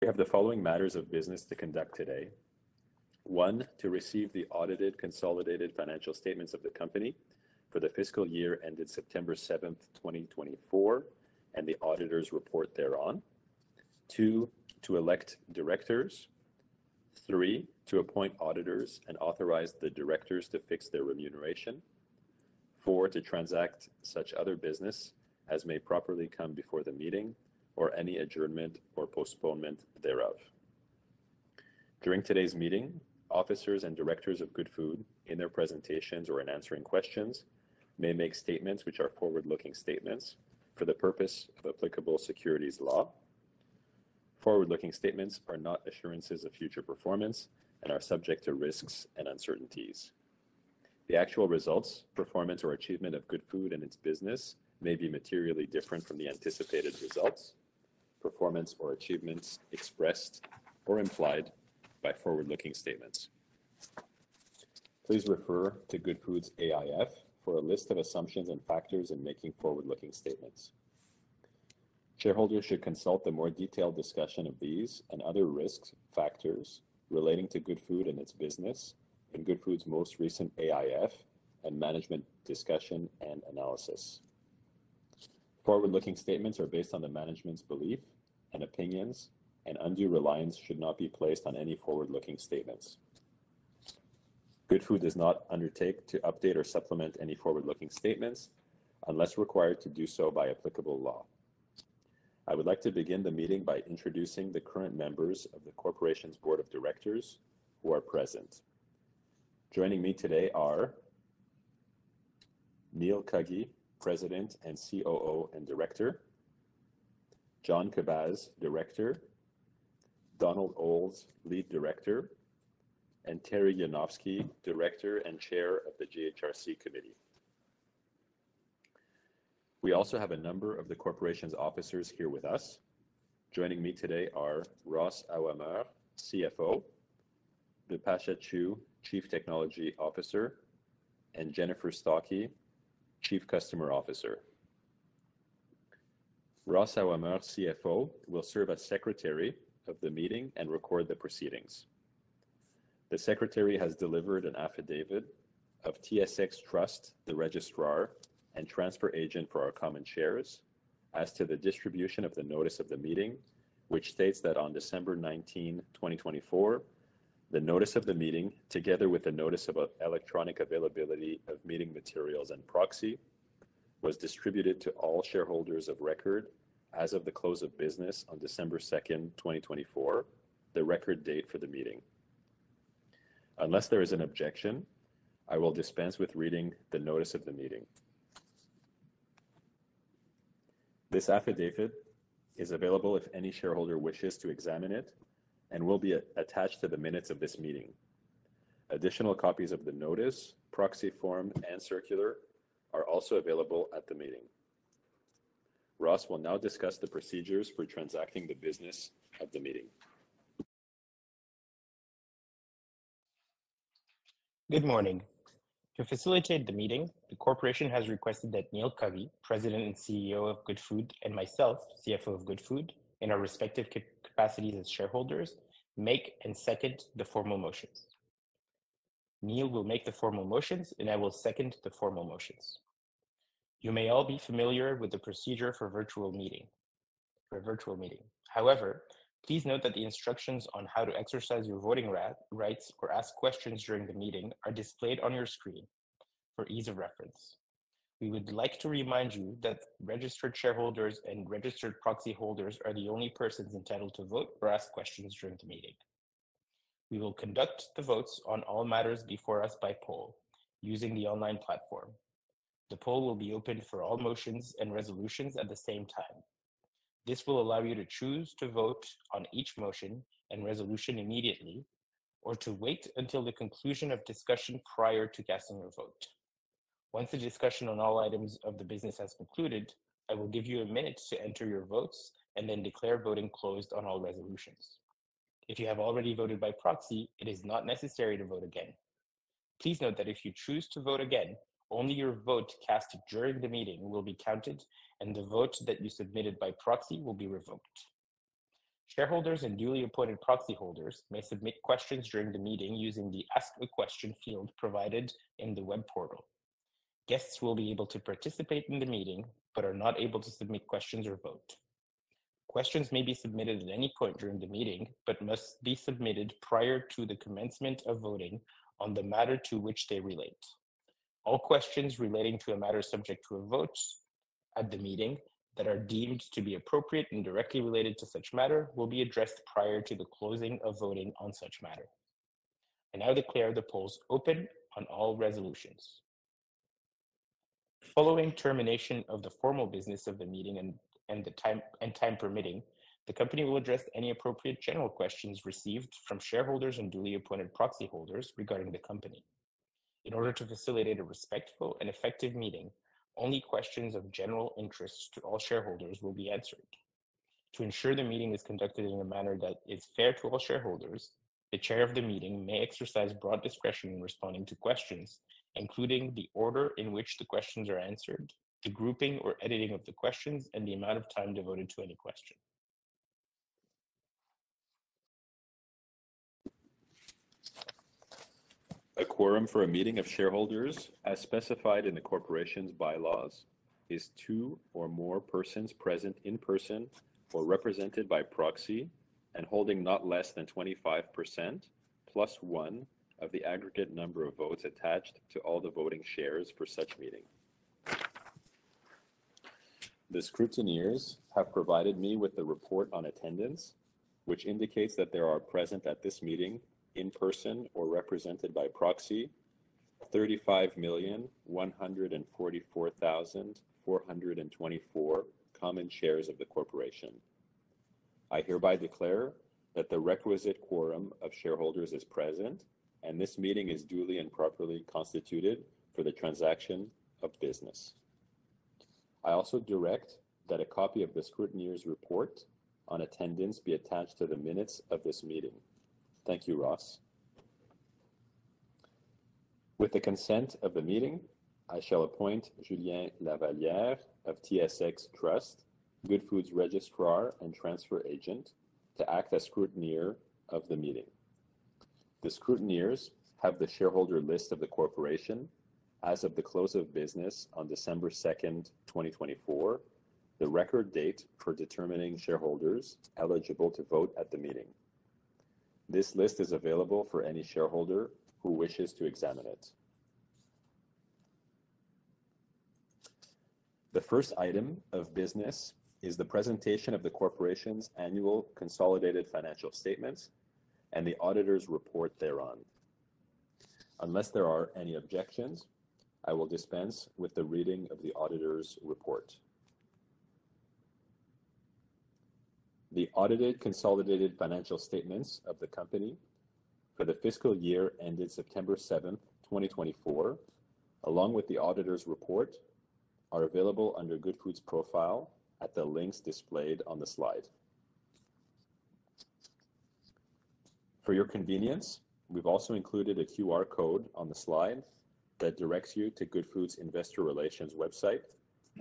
We have the following matters of business to conduct today: one, to receive the Audited Consolidated Financial Statements of the company for the fiscal year ended September 7, 2024, Please refer to Goodfood's AIF for a list of assumptions and factors in making forward-looking statements. Shareholders should consult the more detailed discussion of these and other risks, factors relating to Goodfood and its business in Goodfood's most recent AIF and Management's Discussion and Analysis . Forward-Looking Statements are based on the management's belief and opinions, and undue reliance should not be placed on any forward-looking statements. Goodfood does not undertake to update or supplement any forward-looking statements unless required to do so by applicable law. I would like to begin the meeting by introducing the current members of the corporation's board of directors who are present. Joining me today are Neil Cuggy, President and COO and Director; John Kowal, Director; Donald Olds, Lead Director; and Terry Yanofsky, Director and Chair of the GHRC Committee. We also have a number of the corporation's officers here with us. Joining me today are Ross Aouameur, CFO, Bipasha Chiu, Chief Technology Officer, and Jennifer Stahlke, Chief Customer Officer. Ross Aouameur, CFO, will serve as secretary of the meeting and record the proceedings. The secretary has delivered an affidavit of TSX Trust, the registrar and transfer agent for our common shares, as to the distribution of the notice of the meeting, which states that on December 19, 2024, the notice of the meeting, together with the notice of electronic availability of meeting materials and proxy, was distributed to all shareholders of record as of the close of business on December 2nd, 2024, the record date for the meeting. Unless there is an objection, I will dispense with reading the notice of the meeting. This affidavit is available if any shareholder wishes to examine it and will be attached to the minutes of this meeting. Additional copies of the notice, proxy form, and circular are also available at the meeting. Ross will now discuss the procedures for transacting the business of the meeting. Good morning. To facilitate the meeting, the corporation has requested that Neil Cuggy, President and COO of Goodfood, and myself, CFO of Goodfood, in our respective capacities as shareholders, make and second the formal motions. Neil will make the formal motions, and I will second the formal motions. You may all be familiar with the procedure for virtual meeting. However, please note that the instructions on how to exercise your voting rights or ask questions during the meeting are displayed on your screen for ease of reference. We would like to remind you that registered shareholders and registered proxy holders are the only persons entitled to vote or ask questions during the meeting. We will conduct the votes on all matters before us by poll using the online platform. The poll will be open for all motions and resolutions at the same time. This will allow you to choose to vote on each motion and resolution immediately or to wait until the conclusion of discussion prior to casting your vote. Once the discussion on all items of the business has concluded, I will give you a minute to enter your votes and then declare voting closed on all resolutions. If you have already voted by proxy, it is not necessary to vote again. Please note that if you choose to vote again, only your vote cast during the meeting will be counted, and the vote that you submitted by proxy will be revoked. Shareholders and duly appointed proxy holders may submit questions during the meeting using the Ask a Question field provided in the web portal. Guests will be able to participate in the meeting but are not able to submit questions or vote. Questions may be submitted at any point during the meeting but must be submitted prior to the commencement of voting on the matter to which they relate. All questions relating to a matter subject to a vote at the meeting that are deemed to be appropriate and directly related to such matter will be addressed prior to the closing of voting on such matter. I now declare the polls open on all resolutions. Following termination of the formal business of the meeting and time permitting, the company will address any appropriate general questions received from shareholders and duly appointed proxy holders regarding the company. In order to facilitate a respectful and effective meeting, only questions of general interest to all shareholders will be answered. To ensure the meeting is conducted in a manner that is fair to all shareholders, the chair of the meeting may exercise broad discretion in responding to questions, including the order in which the questions are answered, the grouping or editing of the questions, and the amount of time devoted to any question. A Quorum for a meeting of shareholders, as specified in the corporation's bylaws, is two or more persons present in person or represented by proxy and holding not less than 25% plus one of the aggregate number of votes attached to all the voting shares for such meeting. The scrutineers have provided me with the report on attendance, which indicates that there are present at this meeting in person or represented by proxy 35,144,424 common shares of the corporation. I hereby declare that the requisite Quorum of shareholders is present, and this meeting is duly and properly constituted for the transaction of business. I also direct that a copy of the scrutineer's report on attendance be attached to the minutes of this meeting. Thank you, Ross.With the consent of the meeting, I shall appoint Julien Lavallière of TSX Trust, Goodfood's registrar and transfer agent, to act as scrutineer of the meeting. The scrutineers have the shareholder list of the corporation as of the close of business on December 2nd, 2024, the record date for determining shareholders eligible to vote at the meeting. This list is available for any shareholder who wishes to examine it. The first item of business is the presentation of the corporation's annual consolidated financial statements and the auditor's report thereon. Unless there are any objections, I will dispense with the reading of the auditor's report. The Audited Consolidated Financial Statements of the company for the fiscal year ended September 7, 2024, along with the Auditor's Report, are available under GoodFoods Profile at the links displayed on the slide. For your convenience, we've also included a QR code on the slide that directs you to Goodfood's investor relations website,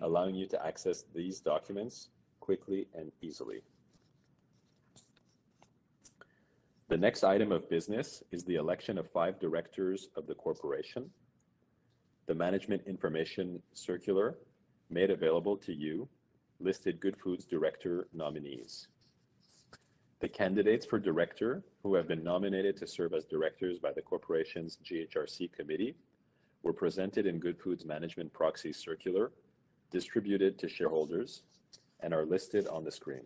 allowing you to access these documents quickly and easily. The next item of business is the election of five directors of the corporation. The management information circular made available to you listed Goodfood's director nominees. The candidates for director who have been nominated to serve as directors by the corporation's GHRC Committee were presented in Goodfood's management proxy circular, distributed to shareholders, and are listed on the screen.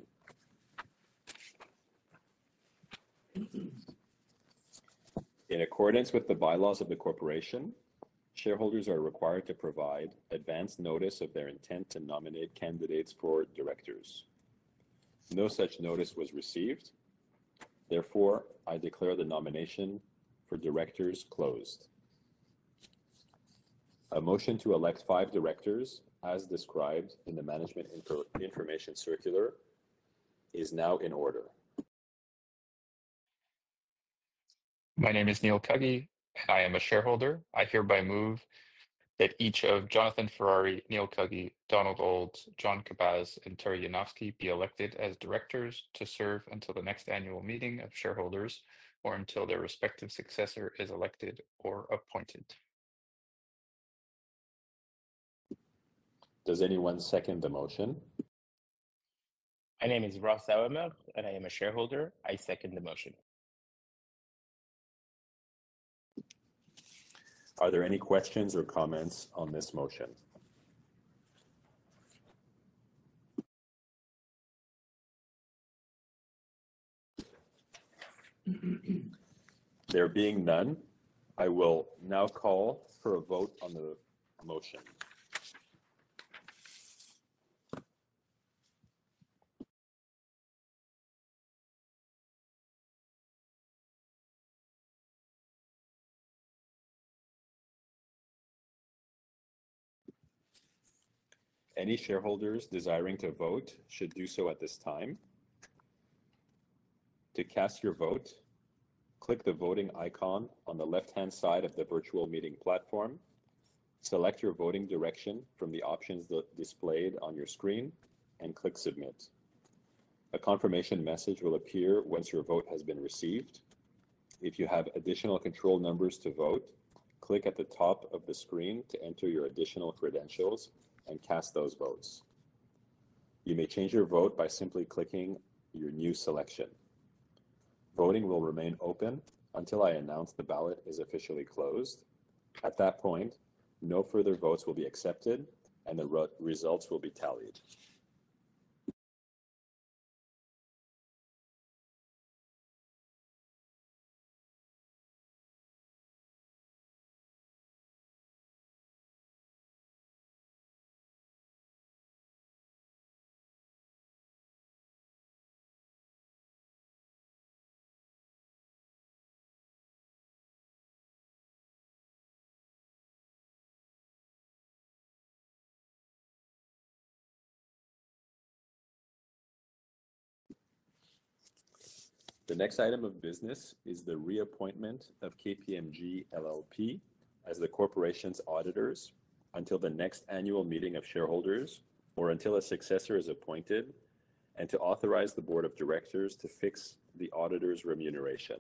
In accordance with the bylaws of the corporation, shareholders are required to provide advance notice of their intent to nominate candidates for directors. No such notice was received. Therefore, I declare the nomination for directors closed. A motion to elect five directors, as described in the management information circular, is now in order. My name is Neil Cuggy, and I am a shareholder. I hereby move that each of Jonathan Ferrari, Neil Cuggy, Donald Olds, John Kowal, and Terry Yanofsky be elected as directors to serve until the next annual meeting of shareholders or until their respective successor is elected or appointed. Does anyone second the motion? My name is Ross Aouameur, and I am a shareholder. I second the motion. Are there any questions or comments on this motion? There being none, I will now call for a vote on the motion. Any shareholders desiring to vote should do so at this time. To cast your vote, click the voting icon on the left-hand side of the virtual meeting platform, select your voting direction from the options displayed on your screen, and click Submit. A confirmation message will appear once your vote has been received. If you have additional control numbers to vote, click at the top of the screen to enter your additional credentials and cast those votes. You may change your vote by simply clicking your new selection. Voting will remain open until I announce the ballot is officially closed. At that point, no further votes will be accepted, and the results will be tallied. The next item of business is the reappointment of KPMG LLP as the corporation's auditors until the next annual meeting of shareholders or until a successor is appointed and to authorize the board of directors to fix the auditor's remuneration.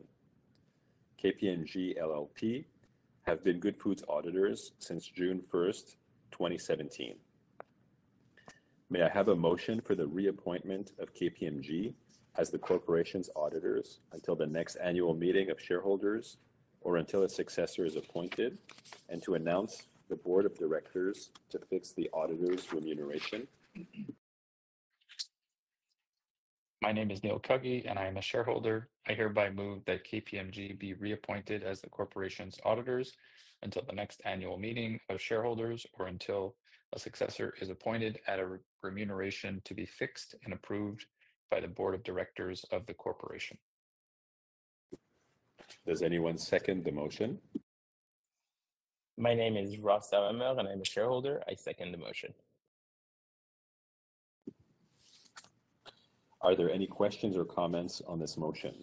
KPMG LLP have been Goodfood's auditors since June 1st, 2017. May I have a motion for the reappointment of KPMG as the corporation's auditors until the next annual meeting of shareholders or until a successor is appointed and to authorize the board of directors to fix the auditor's remuneration? My name is Neil Cuggy, and I am a shareholder. I hereby move that KPMG be reappointed as the corporation's auditors until the next annual meeting of shareholders or until a successor is appointed and a remuneration to be fixed and approved by the board of directors of the corporation. Does anyone second the motion? My name is Ross Aouameur, and I am a shareholder. I second the motion. Are there any questions or comments on this motion?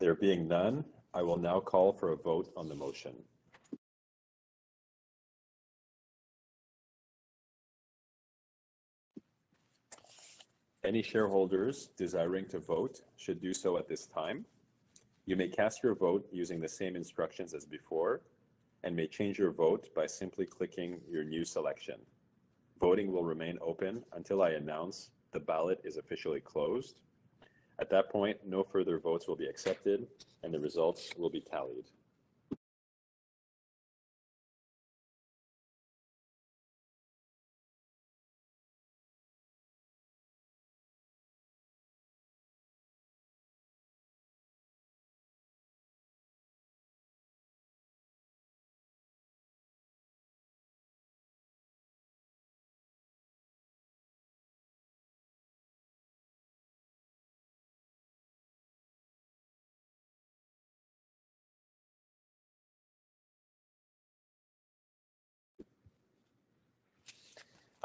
There being none, I will now call for a vote on the motion. Any shareholders desiring to vote should do so at this time. You may cast your vote using the same instructions as before and may change your vote by simply clicking your new selection. Voting will remain open until I announce the ballot is officially closed. At that point, no further votes will be accepted, and the results will be tallied.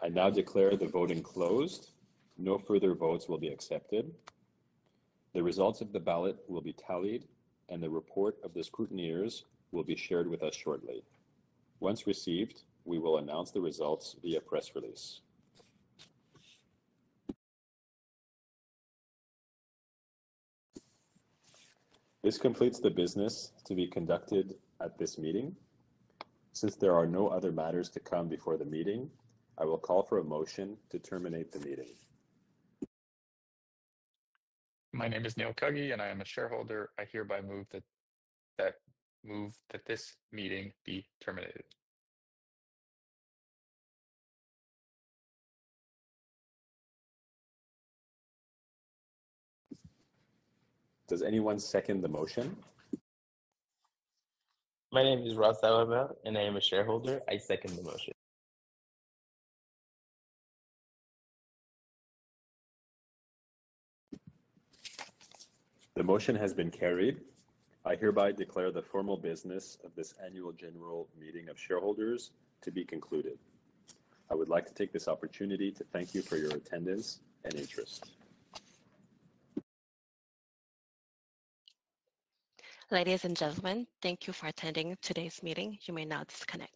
I now declare the voting closed. No further votes will be accepted. The results of the ballot will be tallied, and the report of the scrutineers will be shared with us shortly. Once received, we will announce the results via press release. This completes the business to be conducted at this meeting. Since there are no other matters to come before the meeting, I will call for a motion to terminate the meeting. My name is Neil Cuggy, and I am a shareholder. I hereby move that this meeting be terminated. Does anyone second the motion? My name is Ross Aouameur, and I am a shareholder. I second the motion. The motion has been carried. I hereby declare the formal business of this annual general meeting of shareholders to be concluded. I would like to take this opportunity to thank you for your attendance and interest. Ladies and gentlemen, thank you for attending today's meeting. You may now disconnect.